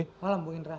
selamat malam bu indra